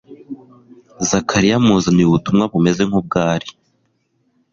Zakariya amuzaniye ubutumwa bumeze nkubwari